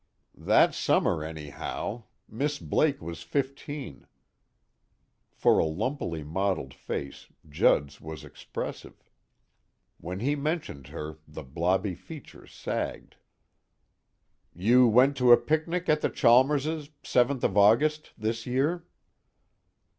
"That summer anyhow. Miss Blake was fifteen." For a lumpily modeled face, Judd's was expressive. When he mentioned her, the blobby features sagged. "You went to a picnic at the Chalmerses', 7th of August, this year?"